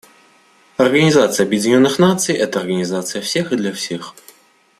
Организация Объединенных Наций — это организация всех и для всех.